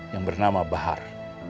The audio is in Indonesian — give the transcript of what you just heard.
yang bernama bahar